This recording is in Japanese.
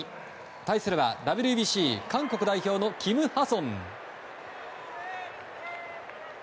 対するはＷＢＣ韓国代表のキム・ハソン。